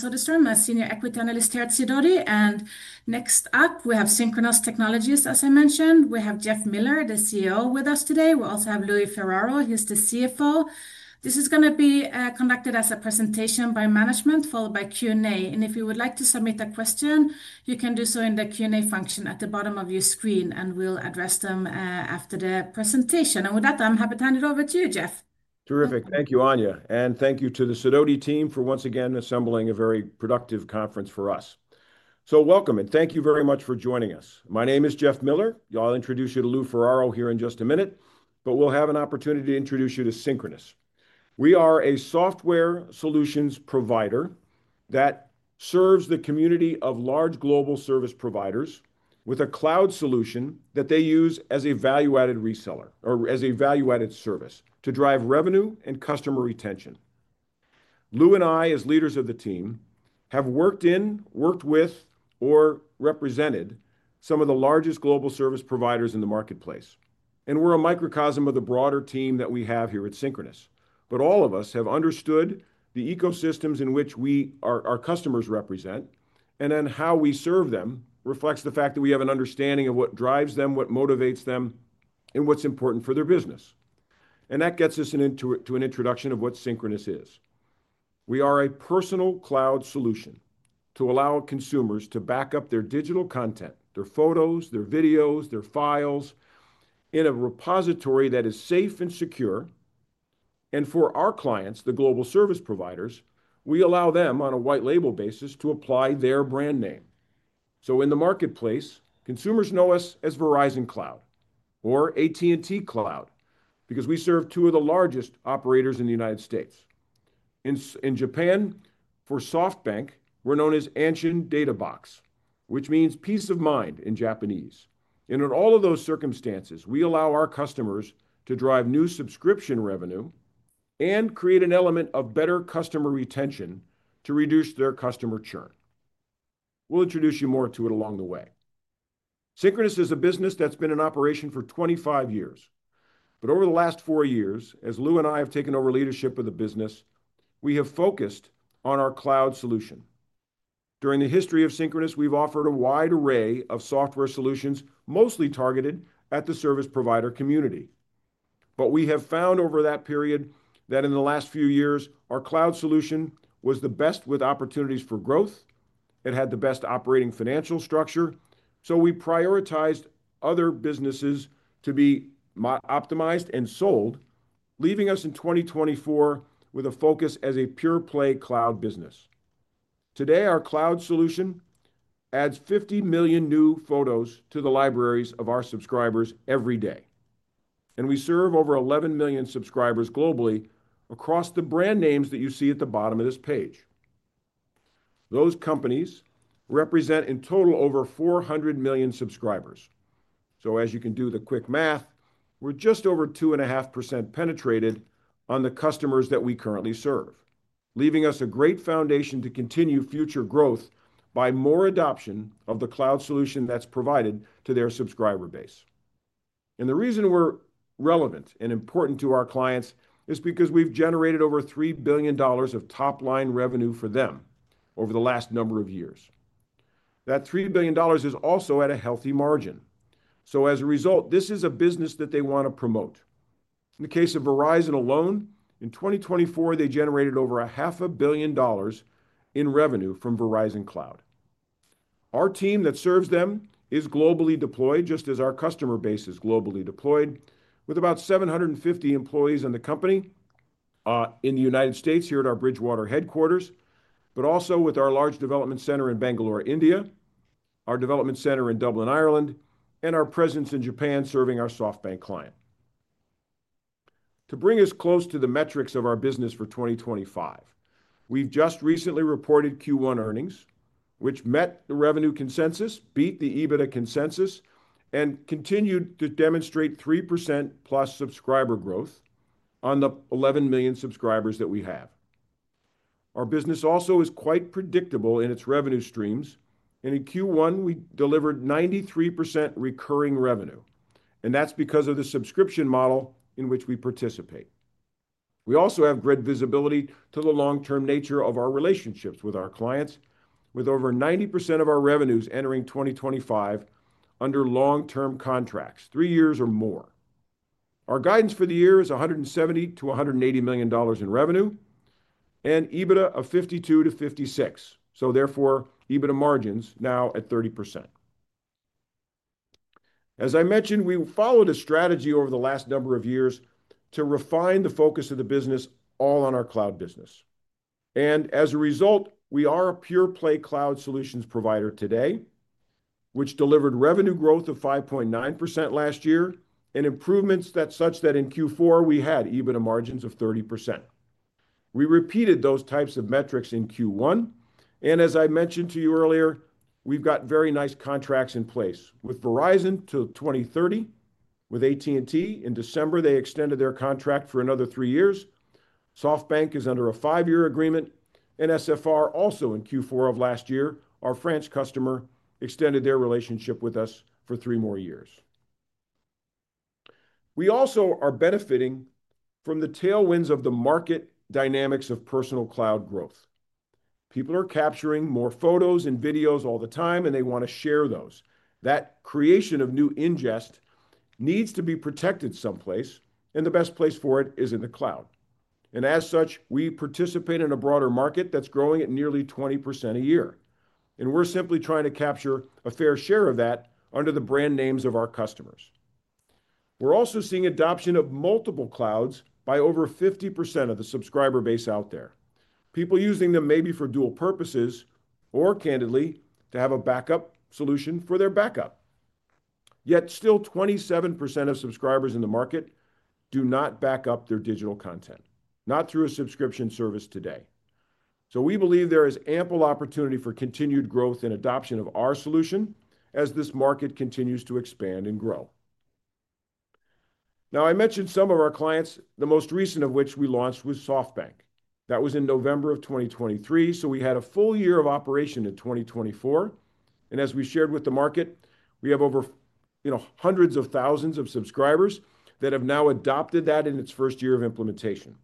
This time I'm a senior equity analyst here at Sidoti, and next up we have Synchronoss Technologies. As I mentioned, we have Jeff Miller, the CEO, with us today. We also have Lou Ferraro. He's the CFO. This is going to be conducted as a presentation by management, followed by Q&A. If you would like to submit a question, you can do so in the Q&A function at the bottom of your screen, and we'll address them after the presentation. With that, I'm happy to hand it over to you, Jeff. Terrific. Thank you, Anja. Thank you to the Sidoti team for once again assembling a very productive conference for us. Welcome, and thank you very much for joining us. My name is Jeff Miller. I'll introduce you to Lou Ferraro here in just a minute, but we'll have an opportunity to introduce you to Synchronoss. We are a software solutions provider that serves the community of large global service providers with a cloud solution that they use as a value-added reseller or as a value-added service to drive revenue and customer retention. Lou and I, as leaders of the team, have worked in, worked with, or represented some of the largest global service providers in the marketplace. We're a microcosm of the broader team that we have here at Synchronoss. All of us have understood the ecosystems in which our customers represent, and then how we serve them reflects the fact that we have an understanding of what drives them, what motivates them, and what's important for their business. That gets us into an introduction of what Synchronoss is. We are a personal cloud solution to allow consumers to back up their digital content, their photos, their videos, their files in a repository that is safe and secure. For our clients, the global service providers, we allow them, on a white label basis, to apply their brand name. In the marketplace, consumers know us as Verizon Cloud or AT&T Cloud because we serve two of the largest operators in the United States. In Japan, for SoftBank, we're known as Anshin Databox, which means peace of mind in Japanese. In all of those circumstances, we allow our customers to drive new subscription revenue and create an element of better customer retention to reduce their customer churn. We will introduce you more to it along the way. Synchronoss is a business that has been in operation for 25 years. Over the last four years, as Lou and I have taken over leadership of the business, we have focused on our cloud solution. During the history of Synchronoss, we have offered a wide array of software solutions, mostly targeted at the service provider community. We have found over that period that in the last few years, our cloud solution was the best with opportunities for growth. It had the best operating financial structure. We prioritized other businesses to be optimized and sold, leaving us in 2024 with a focus as a pure-play cloud business. Today, our cloud solution adds 50 million new photos to the libraries of our subscribers every day. We serve over 11 million subscribers globally across the brand names that you see at the bottom of this page. Those companies represent in total over 400 million subscribers. As you can do the quick math, we're just over 2.5% penetrated on the customers that we currently serve, leaving us a great foundation to continue future growth by more adoption of the cloud solution that's provided to their subscriber base. The reason we're relevant and important to our clients is because we've generated over $3 billion of top-line revenue for them over the last number of years. That $3 billion is also at a healthy margin. As a result, this is a business that they want to promote. In the case of Verizon alone, in 2024, they generated over $500,000,000 in revenue from Verizon Cloud. Our team that serves them is globally deployed, just as our customer base is globally deployed, with about 750 employees in the company in the United States here at our Bridgewater headquarters, but also with our large development center in Bangalore, India, our development center in Dublin, Ireland, and our presence in Japan serving our SoftBank client. To bring us close to the metrics of our business for 2025, we've just recently reported Q1 earnings, which met the revenue consensus, beat the EBITDA consensus, and continued to demonstrate 3%+ subscriber growth on the 11 million subscribers that we have. Our business also is quite predictable in its revenue streams. In Q1, we delivered 93% recurring revenue, and that's because of the subscription model in which we participate. We also have great visibility to the long-term nature of our relationships with our clients, with over 90% of our revenues entering 2025 under long-term contracts, three years or more. Our guidance for the year is $170 million to $180 million in revenue and EBITDA of $52 million to $56 million, so therefore EBITDA margins now at 30%. As I mentioned, we followed a strategy over the last number of years to refine the focus of the business all on our cloud business. As a result, we are a pure-play cloud solutions provider today, which delivered revenue growth of 5.9% last year and improvements such that in Q4 we had EBITDA margins of 30%. We repeated those types of metrics in Q1. As I mentioned to you earlier, we've got very nice contracts in place with Verizon to 2030, with AT&T. In December, they extended their contract for another three years. SoftBank is under a five-year agreement, and SFR also in Q4 of last year, our French customer, extended their relationship with us for three more years. We also are benefiting from the tailwinds of the market dynamics of personal cloud growth. People are capturing more photos and videos all the time, and they want to share those. That creation of new ingest needs to be protected someplace, and the best place for it is in the cloud. As such, we participate in a broader market that's growing at nearly 20% a year. We're simply trying to capture a fair share of that under the brand names of our customers. We're also seeing adoption of multiple clouds by over 50% of the subscriber base out there, people using them maybe for dual purposes or candidly to have a backup solution for their backup. Yet still, 27% of subscribers in the market do not back up their digital content, not through a subscription service today. We believe there is ample opportunity for continued growth and adoption of our solution as this market continues to expand and grow. I mentioned some of our clients, the most recent of which we launched was SoftBank. That was in November of 2023. We had a full year of operation in 2024. As we shared with the market, we have over hundreds of thousands of subscribers that have now adopted that in its first year of implementation.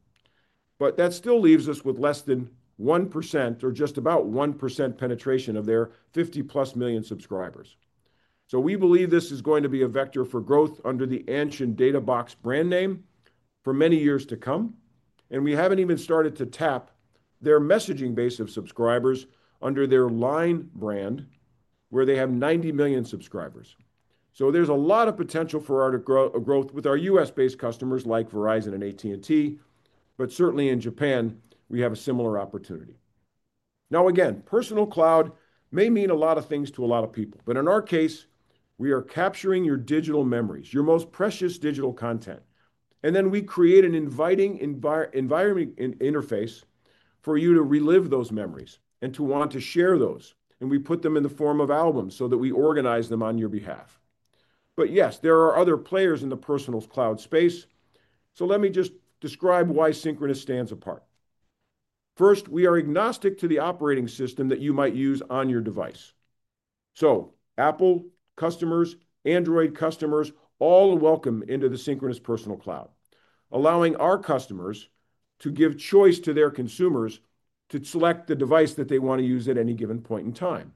That still leaves us with less than 1% or just about 1% penetration of their 50+ million subscribers. We believe this is going to be a vector for growth under the Anshin Databox brand name for many years to come. We have not even started to tap their messaging base of subscribers under their line brand, where they have 90 million subscribers. There is a lot of potential for our growth with our U.S.-based customers like Verizon and AT&T, but certainly in Japan, we have a similar opportunity. Now, again, personal cloud may mean a lot of things to a lot of people, but in our case, we are capturing your digital memories, your most precious digital content. We create an inviting environment interface for you to relive those memories and to want to share those. We put them in the form of albums so that we organize them on your behalf. Yes, there are other players in the personal cloud space. Let me just describe why Synchronoss stands apart. First, we are agnostic to the operating system that you might use on your device. Apple customers, Android customers, all are welcome into the Synchronoss personal cloud, allowing our customers to give choice to their consumers to select the device that they want to use at any given point in time.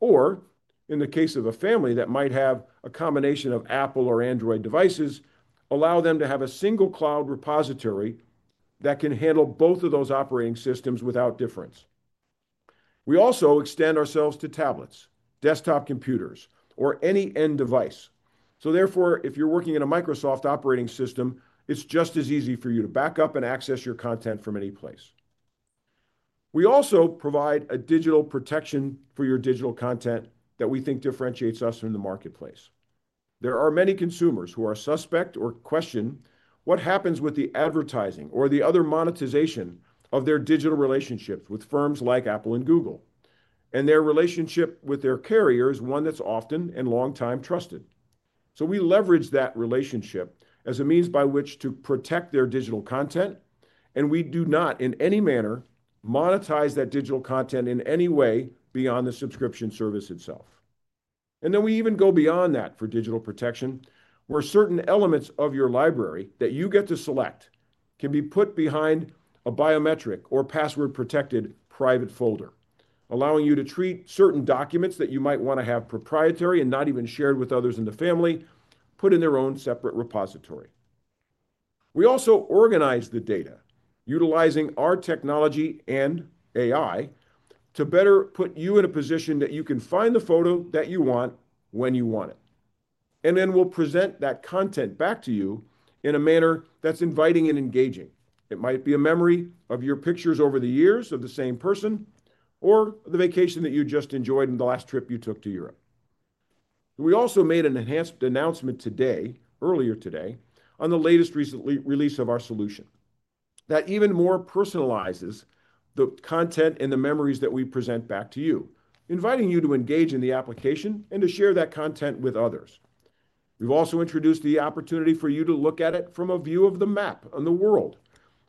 Or in the case of a family that might have a combination of Apple or Android devices, allow them to have a single cloud repository that can handle both of those operating systems without difference. We also extend ourselves to tablets, desktop computers, or any end device. Therefore, if you're working in a Microsoft operating system, it's just as easy for you to back up and access your content from any place. We also provide a digital protection for your digital content that we think differentiates us in the marketplace. There are many consumers who are suspect or question what happens with the advertising or the other monetization of their digital relationship with firms like Apple and Google. Their relationship with their carrier is one that's often and long-time trusted. We leverage that relationship as a means by which to protect their digital content. We do not in any manner monetize that digital content in any way beyond the subscription service itself. We even go beyond that for digital protection, where certain elements of your library that you get to select can be put behind a biometric or password-protected private folder, allowing you to treat certain documents that you might want to have proprietary and not even shared with others in the family, put in their own separate repository. We also organize the data utilizing our technology and AI to better put you in a position that you can find the photo that you want when you want it. We will present that content back to you in a manner that's inviting and engaging. It might be a memory of your pictures over the years of the same person or the vacation that you just enjoyed in the last trip you took to Europe. We also made an enhanced announcement today, earlier today, on the latest recent release of our solution that even more personalizes the content and the memories that we present back to you, inviting you to engage in the application and to share that content with others. We've also introduced the opportunity for you to look at it from a view of the map on the world.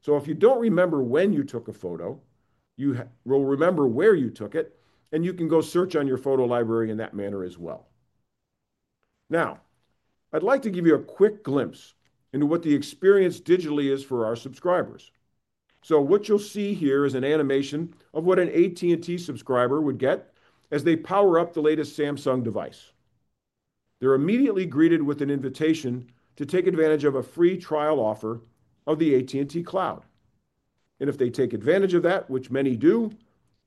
If you do not remember when you took a photo, you will remember where you took it, and you can go search on your photo library in that manner as well. I would like to give you a quick glimpse into what the experience digitally is for our subscribers. What you will see here is an animation of what an AT&T subscriber would get as they power up the latest Samsung device. They are immediately greeted with an invitation to take advantage of a free trial offer of the AT&T Cloud. If they take advantage of that, which many do,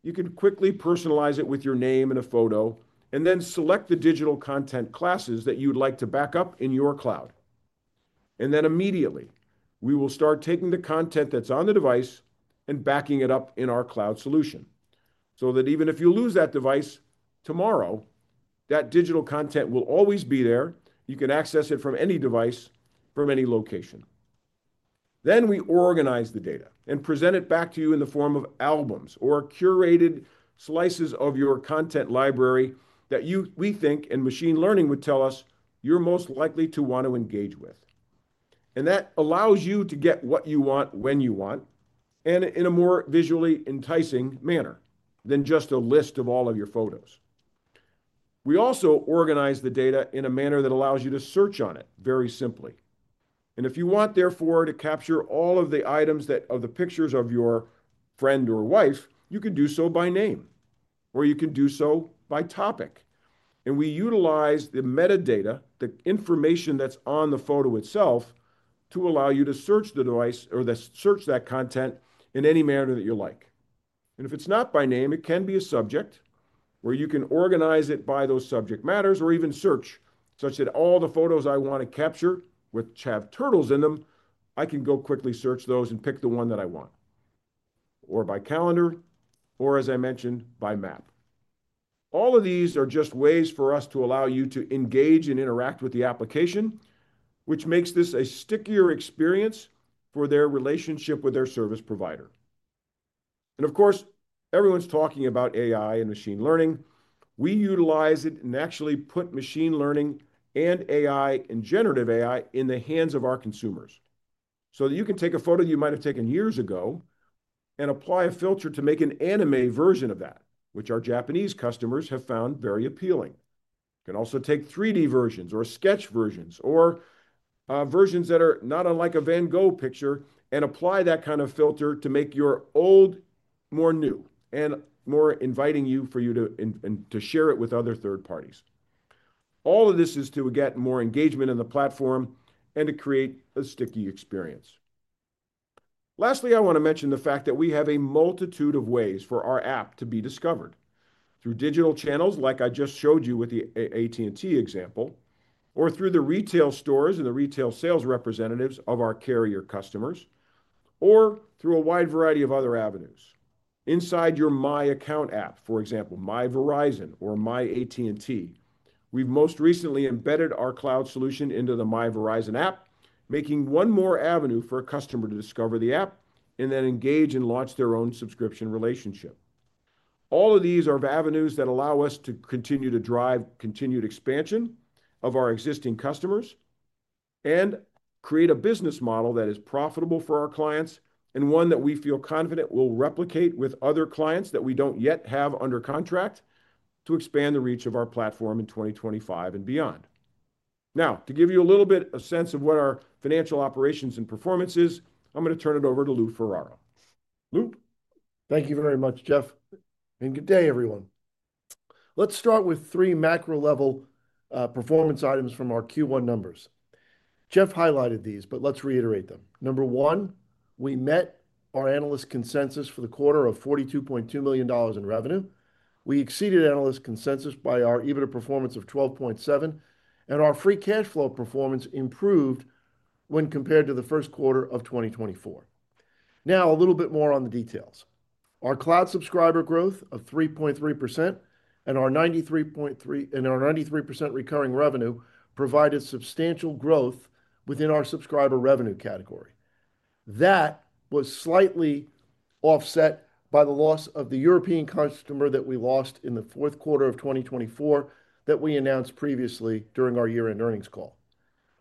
you can quickly personalize it with your name and a photo and then select the digital content classes that you would like to back up in your cloud. Immediately, we will start taking the content that's on the device and backing it up in our cloud solution so that even if you lose that device tomorrow, that digital content will always be there. You can access it from any device, from any location. We organize the data and present it back to you in the form of albums or curated slices of your content library that we think, and machine learning would tell us, you're most likely to want to engage with. That allows you to get what you want when you want and in a more visually enticing manner than just a list of all of your photos. We also organize the data in a manner that allows you to search on it very simply. If you want, therefore, to capture all of the items of the pictures of your friend or wife, you can do so by name, or you can do so by topic. We utilize the metadata, the information that's on the photo itself, to allow you to search the device or search that content in any manner that you like. If it's not by name, it can be a subject where you can organize it by those subject matters or even search such that all the photos I want to capture which have turtles in them, I can go quickly search those and pick the one that I want, or by calendar, or as I mentioned, by map. All of these are just ways for us to allow you to engage and interact with the application, which makes this a stickier experience for their relationship with their service provider. Of course, everyone's talking about AI and machine learning. We utilize it and actually put machine learning and AI and generative AI in the hands of our consumers so that you can take a photo you might have taken years ago and apply a filter to make an anime version of that, which our Japanese customers have found very appealing. You can also take 3D versions or sketch versions or versions that are not unlike a Van Gogh picture and apply that kind of filter to make your old more new and more inviting for you to share it with other third parties. All of this is to get more engagement in the platform and to create a sticky experience. Lastly, I want to mention the fact that we have a multitude of ways for our app to be discovered through digital channels, like I just showed you with the AT&T example, or through the retail stores and the retail sales representatives of our carrier customers, or through a wide variety of other avenues. Inside your My Account app, for example, My Verizon or My AT&T, we've most recently embedded our cloud solution into the My Verizon app, making one more avenue for a customer to discover the app and then engage and launch their own subscription relationship. All of these are avenues that allow us to continue to drive continued expansion of our existing customers and create a business model that is profitable for our clients and one that we feel confident will replicate with other clients that we do not yet have under contract to expand the reach of our platform in 2025 and beyond. Now, to give you a little bit of sense of what our financial operations and performance is, I am going to turn it over to Lou Ferraro. Lou? Thank you very much, Jeff. Good day, everyone. Let's start with three macro-level performance items from our Q1 numbers. Jeff highlighted these, but let's reiterate them. Number one, we met our analyst consensus for the quarter of $42.2 million in revenue. We exceeded analyst consensus by our EBITDA performance of $12.7 million, and our free cash flow performance improved when compared to the first quarter of 2024. Now, a little bit more on the details. Our cloud subscriber growth of 3.3% and our 93% recurring revenue provided substantial growth within our subscriber revenue category. That was slightly offset by the loss of the European customer that we lost in the fourth quarter of 2024 that we announced previously during our year-end earnings call.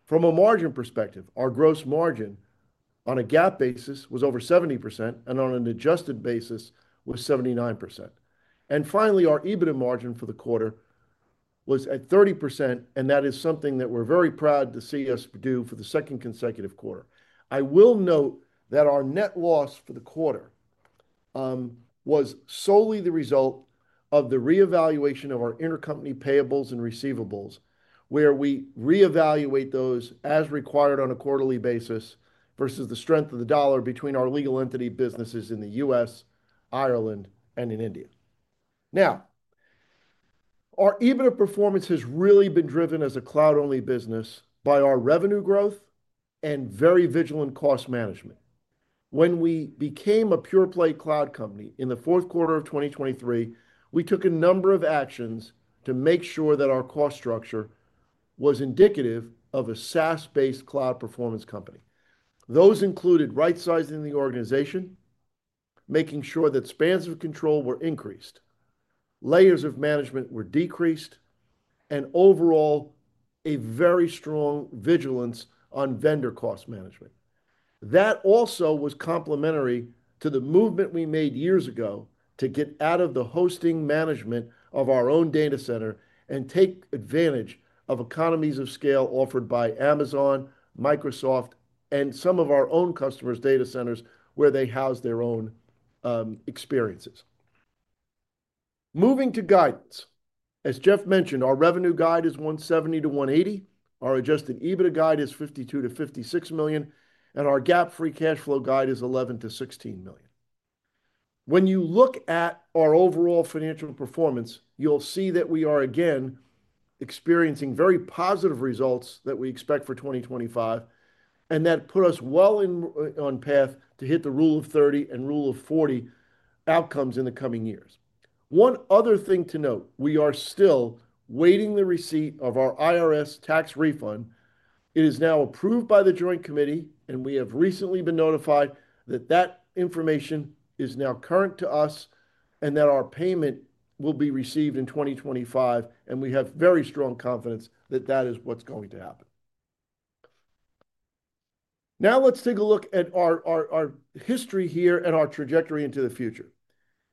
From a margin perspective, our gross margin on a GAAP basis was over 70%, and on an adjusted basis, was 79%. Finally, our EBITDA margin for the quarter was at 30%, and that is something that we're very proud to see us do for the second consecutive quarter. I will note that our net loss for the quarter was solely the result of the reevaluation of our intercompany payables and receivables, where we reevaluate those as required on a quarterly basis versus the strength of the dollar between our legal entity businesses in the US, Ireland, and in India. Now, our EBITDA performance has really been driven as a cloud-only business by our revenue growth and very vigilant cost management. When we became a pure-play cloud company in the fourth quarter of 2023, we took a number of actions to make sure that our cost structure was indicative of a SaaS-based cloud performance company. Those included right-sizing the organization, making sure that spans of control were increased, layers of management were decreased, and overall, a very strong vigilance on vendor cost management. That also was complementary to the movement we made years ago to get out of the hosting management of our own data center and take advantage of economies of scale offered by Amazon, Microsoft, and some of our own customers' data centers where they house their own experiences. Moving to guidance. As Jeff mentioned, our revenue guide is $170 million to $180 million. Our adjusted EBITDA guide is $52 million to $56 million, and our GAAP free cash flow guide is $11 million to $16 million. When you look at our overall financial performance, you'll see that we are, again, experiencing very positive results that we expect for 2025, and that put us well on path to hit the rule of 30 and rule of 40 outcomes in the coming years. One other thing to note, we are still waiting the receipt of our IRS tax refund. It is now approved by the Joint Committee, and we have recently been notified that that information is now current to us and that our payment will be received in 2025, and we have very strong confidence that that is what's going to happen. Now, let's take a look at our history here and our trajectory into the future.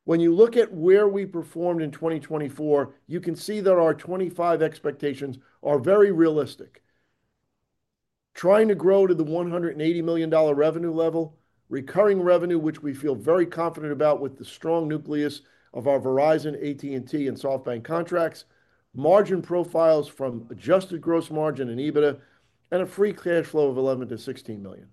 When you look at where we performed in 2024, you can see that our 2025 expectations are very realistic. Trying to grow to the $180 million revenue level, recurring revenue, which we feel very confident about with the strong nucleus of our Verizon, AT&T, and SoftBank contracts, margin profiles from adjusted gross margin and EBITDA, and a free cash flow of $11 million to $16 million.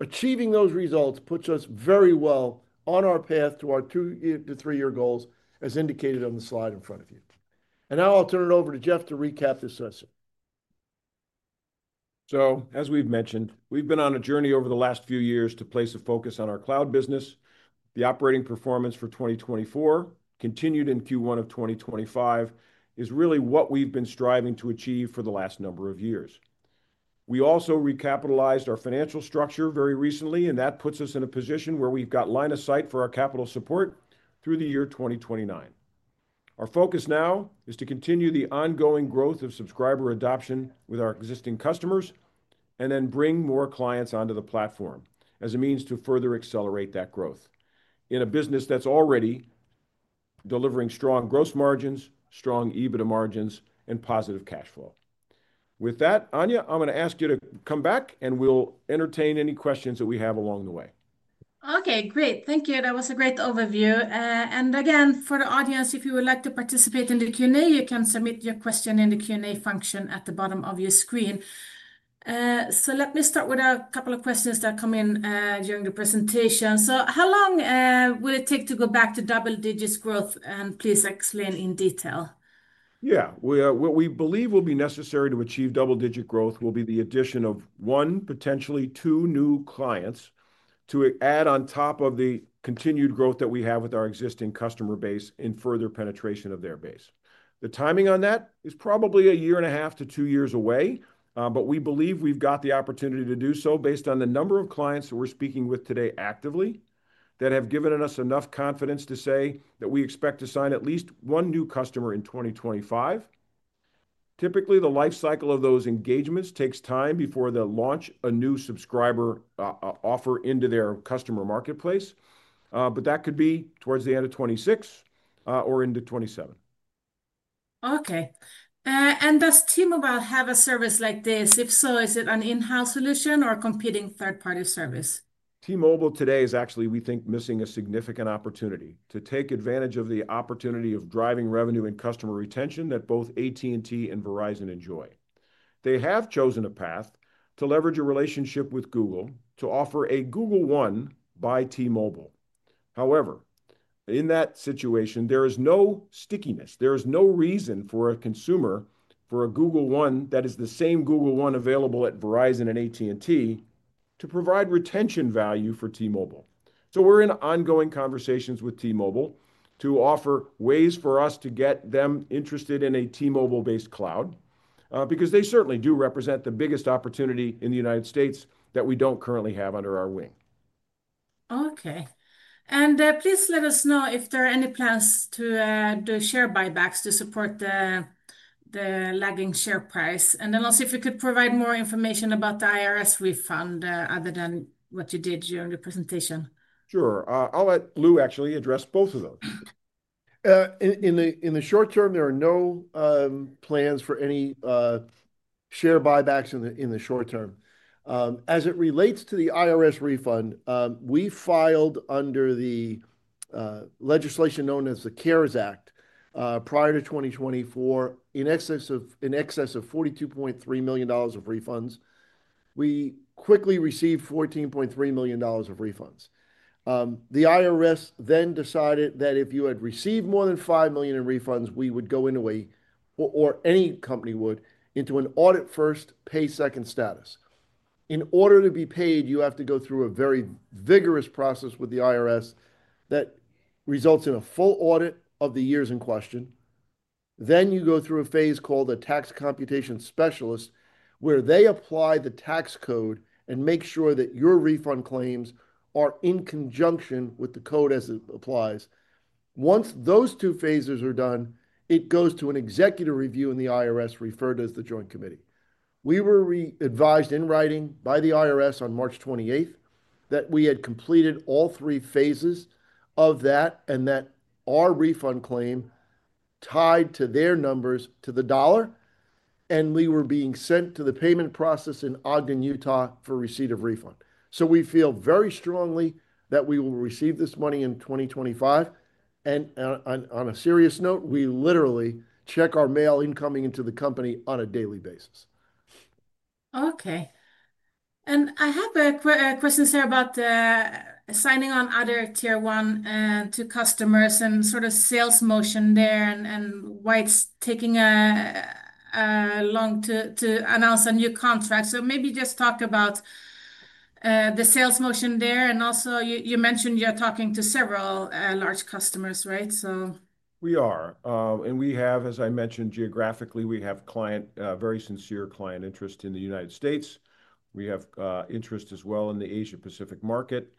Achieving those results puts us very well on our path to our two- to three-year goals, as indicated on the slide in front of you. I'll turn it over to Jeff to recap this session. As we've mentioned, we've been on a journey over the last few years to place a focus on our cloud business. The operating performance for 2024, continued in Q1 of 2025, is really what we've been striving to achieve for the last number of years. We also recapitalized our financial structure very recently, and that puts us in a position where we've got line of sight for our capital support through the year 2029. Our focus now is to continue the ongoing growth of subscriber adoption with our existing customers and then bring more clients onto the platform as a means to further accelerate that growth in a business that's already delivering strong gross margins, strong EBITDA margins, and positive cash flow. With that, Anja, I'm going to ask you to come back, and we'll entertain any questions that we have along the way. Okay, great. Thank you. That was a great overview. Again, for the audience, if you would like to participate in the Q&A, you can submit your question in the Q&A function at the bottom of your screen. Let me start with a couple of questions that come in during the presentation. How long will it take to go back to double-digit growth? Please explain in detail. Yeah, what we believe will be necessary to achieve double-digit growth will be the addition of one, potentially two new clients to add on top of the continued growth that we have with our existing customer base in further penetration of their base. The timing on that is probably a year and a half to two years away, but we believe we've got the opportunity to do so based on the number of clients that we're speaking with today actively that have given us enough confidence to say that we expect to sign at least one new customer in 2025. Typically, the lifecycle of those engagements takes time before they launch a new subscriber offer into their customer marketplace, but that could be towards the end of 2026 or into 2027. Okay. Does T-Mobile have a service like this? If so, is it an in-house solution or a competing third-party service? T-Mobile today is actually, we think, missing a significant opportunity to take advantage of the opportunity of driving revenue and customer retention that both AT&T and Verizon enjoy. They have chosen a path to leverage a relationship with Google to offer a Google One by T-Mobile. However, in that situation, there is no stickiness. There is no reason for a consumer for a Google One that is the same Google One available at Verizon and AT&T to provide retention value for T-Mobile. We are in ongoing conversations with T-Mobile to offer ways for us to get them interested in a T-Mobile-based cloud because they certainly do represent the biggest opportunity in the United States that we do not currently have under our wing. Okay. Please let us know if there are any plans to do share buybacks to support the lagging share price. Also, if you could provide more information about the IRS refund other than what you did during the presentation. Sure. I will let Lou actually address both of those. In the short term, there are no plans for any share buybacks in the short term. As it relates to the IRS refund, we filed under the legislation known as the CARES Act prior to 2024 in excess of $42.3 million of refunds. We quickly received $14.3 million of refunds. The IRS then decided that if you had received more than $5 million in refunds, we would go in a way or any company would into an audit-first, pay-second status. In order to be paid, you have to go through a very vigorous process with the IRS that results in a full audit of the years in question. Then you go through a phase called a Tax Computation Specialist where they apply the tax code and make sure that your refund claims are in conjunction with the code as it applies. Once those two phases are done, it goes to an executive review in the IRS referred to as the Joint Committee. We were advised in writing by the IRS on March 28th that we had completed all three phases of that and that our refund claim tied to their numbers to the dollar, and we were being sent to the payment process in Ogden, Utah for receipt of refund. We feel very strongly that we will receive this money in 2025. On a serious note, we literally check our mail incoming into the company on a daily basis. Okay. I have a question, sir, about signing on other tier one customers and sort of sales motion there and why it's taking long to announce a new contract. Maybe just talk about the sales motion there. Also, you mentioned you're talking to several large customers, right? We are. We have, as I mentioned, geographically, very sincere client interest in the United States. We have interest as well in the Asia-Pacific market,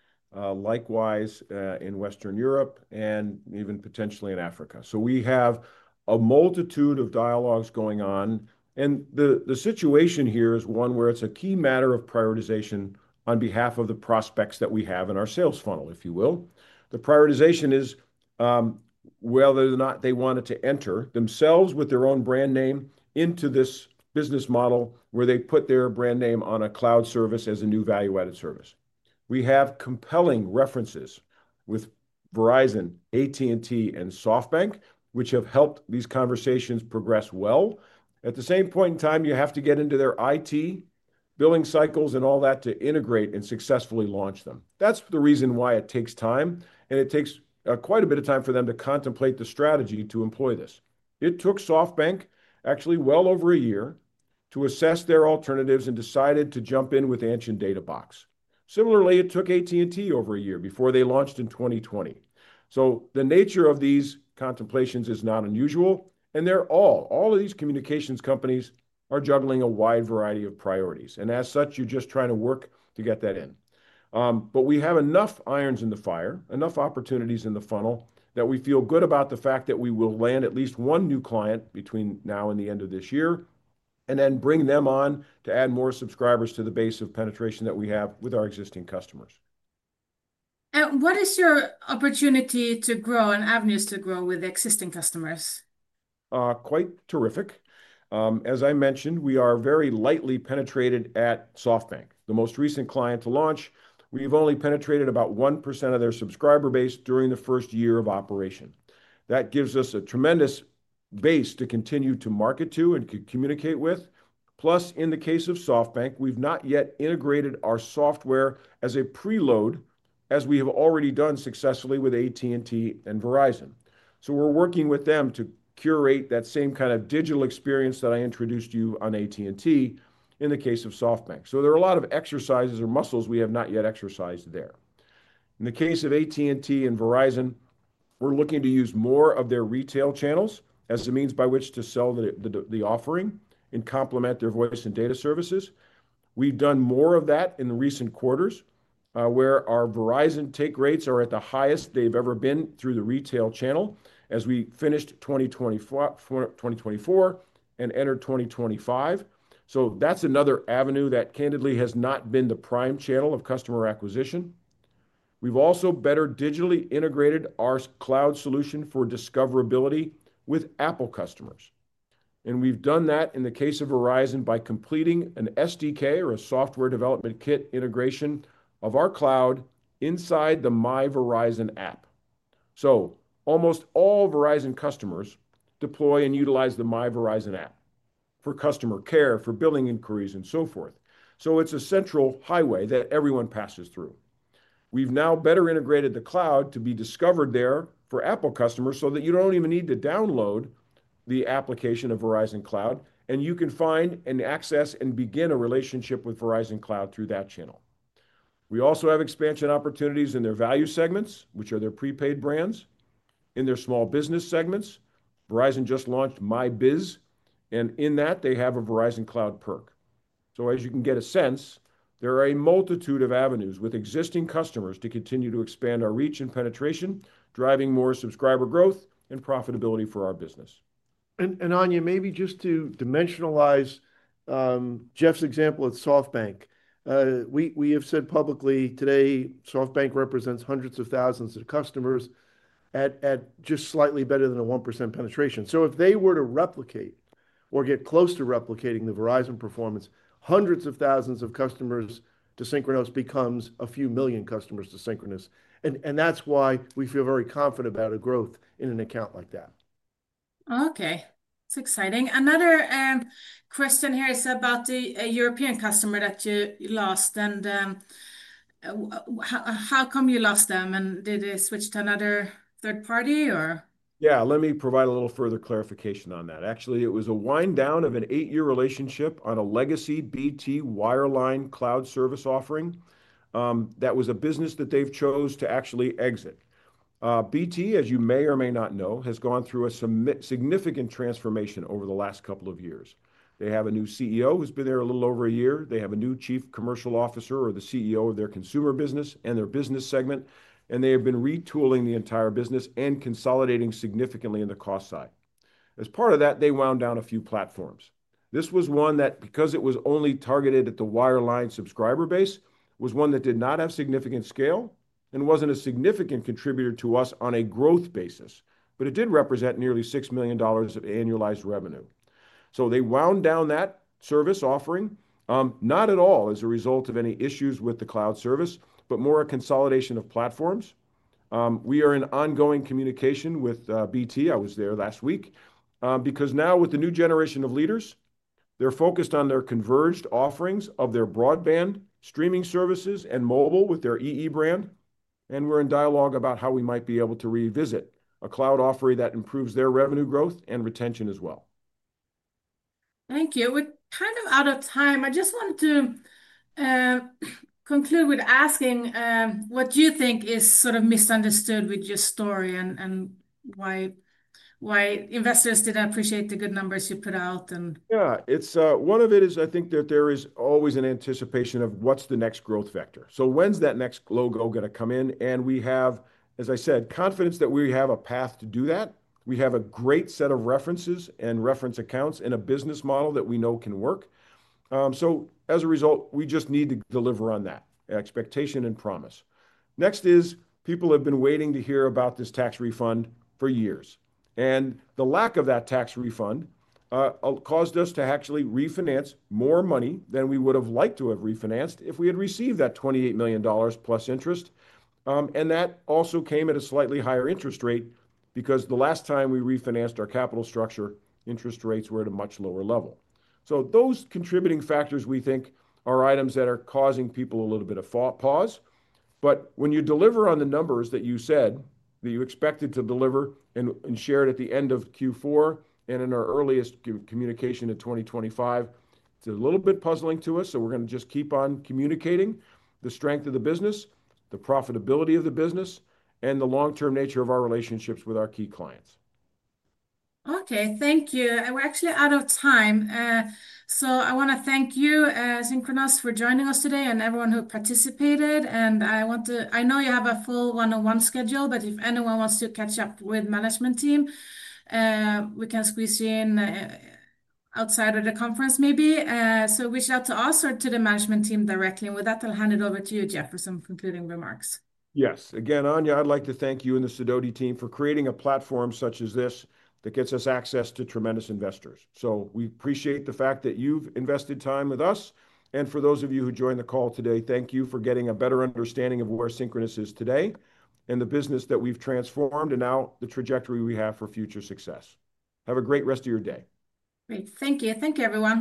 likewise in Western Europe and even potentially in Africa. We have a multitude of dialogues going on. The situation here is one where it is a key matter of prioritization on behalf of the prospects that we have in our sales funnel, if you will. The prioritization is whether or not they want to enter themselves with their own brand name into this business model where they put their brand name on a cloud service as a new value-added service. We have compelling references with Verizon, AT&T, and SoftBank, which have helped these conversations progress well. At the same point in time, you have to get into their IT billing cycles and all that to integrate and successfully launch them. That's the reason why it takes time, and it takes quite a bit of time for them to contemplate the strategy to employ this. It took SoftBank actually well over a year to assess their alternatives and decided to jump in with Anshin Databox. Similarly, it took AT&T over a year before they launched in 2020. The nature of these contemplations is not unusual, and all of these communications companies are juggling a wide variety of priorities. As such, you're just trying to work to get that in. We have enough irons in the fire, enough opportunities in the funnel that we feel good about the fact that we will land at least one new client between now and the end of this year and then bring them on to add more subscribers to the base of penetration that we have with our existing customers. What is your opportunity to grow and avenues to grow with existing customers? Quite terrific. As I mentioned, we are very lightly penetrated at SoftBank. The most recent client to launch, we have only penetrated about 1% of their subscriber base during the first year of operation. That gives us a tremendous base to continue to market to and communicate with. Plus, in the case of SoftBank, we have not yet integrated our software as a preload as we have already done successfully with AT&T and Verizon. We're working with them to curate that same kind of digital experience that I introduced to you on AT&T in the case of SoftBank. There are a lot of exercises or muscles we have not yet exercised there. In the case of AT&T and Verizon, we're looking to use more of their retail channels as the means by which to sell the offering and complement their voice and data services. We've done more of that in the recent quarters where our Verizon take rates are at the highest they've ever been through the retail channel as we finished 2024 and entered 2025. That's another avenue that candidly has not been the prime channel of customer acquisition. We've also better digitally integrated our cloud solution for discoverability with Apple customers. We have done that in the case of Verizon by completing an SDK or a software development kit integration of our cloud inside the My Verizon app. Almost all Verizon customers deploy and utilize the My Verizon app for customer care, for billing inquiries, and so forth. It is a central highway that everyone passes through. We have now better integrated the cloud to be discovered there for Apple customers so that you do not even need to download the application of Verizon Cloud, and you can find and access and begin a relationship with Verizon Cloud through that channel. We also have expansion opportunities in their value segments, which are their prepaid brands. In their small business segments, Verizon just launched My Biz, and in that, they have a Verizon Cloud perk. As you can get a sense, there are a multitude of avenues with existing customers to continue to expand our reach and penetration, driving more subscriber growth and profitability for our business. Anja, maybe just to dimensionalize Jeff's example at SoftBank, we have said publicly today SoftBank represents hundreds of thousands of customers at just slightly better than a 1% penetration. If they were to replicate or get close to replicating the Verizon performance, hundreds of thousands of customers to Synchronoss becomes a few million customers to Synchronoss. That is why we feel very confident about growth in an account like that. It is exciting. Another question here is about the European customer that you lost. How come you lost them? Did they switch to another third party or? Let me provide a little further clarification on that. Actually, it was a wind down of an eight-year relationship on a legacy BT wireline cloud service offering that was a business that they've chosen to actually exit. BT, as you may or may not know, has gone through a significant transformation over the last couple of years. They have a new CEO who's been there a little over a year. They have a new Chief Commercial Officer or the CEO of their consumer business and their business segment, and they have been retooling the entire business and consolidating significantly in the cost side. As part of that, they wound down a few platforms. This was one that, because it was only targeted at the wireline subscriber base, was one that did not have significant scale and wasn't a significant contributor to us on a growth basis, but it did represent nearly $6 million of annualized revenue. They wound down that service offering, not at all as a result of any issues with the cloud service, but more a consolidation of platforms. We are in ongoing communication with BT. I was there last week because now with the new generation of leaders, they're focused on their converged offerings of their broadband streaming services and mobile with their EE brand. We are in dialogue about how we might be able to revisit a cloud offering that improves their revenue growth and retention as well. Thank you. We're kind of out of time. I just wanted to conclude with asking what you think is sort of misunderstood with your story and why investors did not appreciate the good numbers you put out. Yeah, one of it is I think that there is always an anticipation of what's the next growth vector. When's that next logo going to come in? We have, as I said, confidence that we have a path to do that. We have a great set of references and reference accounts and a business model that we know can work. As a result, we just need to deliver on that expectation and promise. Next, people have been waiting to hear about this tax refund for years. The lack of that tax refund caused us to actually refinance more money than we would have liked to have refinanced if we had received that $28 million plus interest. That also came at a slightly higher interest rate because the last time we refinanced our capital structure, interest rates were at a much lower level. Those contributing factors we think are items that are causing people a little bit of pause. When you deliver on the numbers that you said that you expected to deliver and share it at the end of Q4 and in our earliest communication in 2025, it's a little bit puzzling to us. We are going to just keep on communicating the strength of the business, the profitability of the business, and the long-term nature of our relationships with our key clients. Okay. Thank you. We are actually out of time. I want to thank you, Synchronoss, for joining us today and everyone who participated. I know you have a full one-on-one schedule, but if anyone wants to catch up with the management team, we can squeeze you in outside of the conference maybe. Reach out to us or to the management team directly. With that, I'll hand it over to you, Jeff, for some concluding remarks. Yes. Again, Anja, I'd like to thank you and the Sidoti team for creating a platform such as this that gets us access to tremendous investors. We appreciate the fact that you've invested time with us. For those of you who joined the call today, thank you for getting a better understanding of where Synchronoss is today and the business that we've transformed and now the trajectory we have for future success. Have a great rest of your day. Great. Thank you. Thank you, everyone.